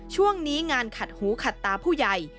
ช่วงนี้งานขัดหูขัดตาผู้ใหญ่